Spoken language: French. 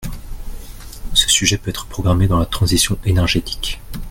Ce sujet peut être programmé dans la transition énergétique.